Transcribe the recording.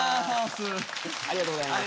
ありがとうございます。